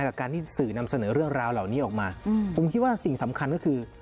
กับการที่สื่อนำเสนอเรื่องราวเหล่านี้ออกมาผมคิดว่าสิ่งสำคัญก็คือ